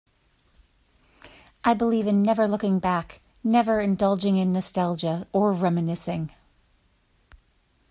I believe in never looking back, never indulging in nostalgia, or reminiscing.